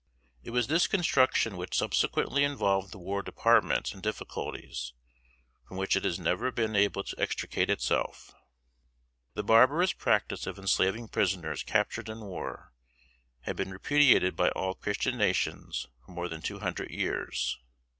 It was this construction which subsequently involved the War Department in difficulties, from which it has never been able to extricate itself. The barbarous practice of enslaving prisoners captured in war, had been repudiated by all Christian nations for more than two hundred years.